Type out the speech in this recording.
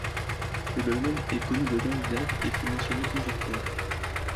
Le dolmen est connu de longue date et fut mentionné plusieurs fois.